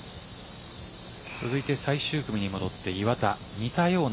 続いて最終組に戻って、岩田。